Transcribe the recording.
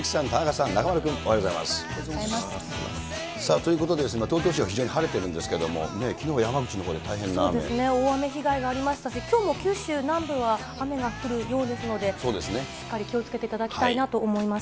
ということですが、東京は非常に晴れてるんですけれども、きのうは山口のほうで大変大雨の被害がありましたし、きょうも九州南部は、雨が降るようですので、しっかり気をつけていただきたいなと思います。